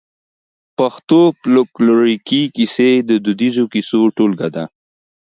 پښتو فولکلوريکي کيسې د دوديزو کيسو ټولګه ده.